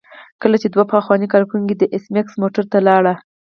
کله چې دوه پخواني کارکوونکي د ایس میکس موټر ته لاړل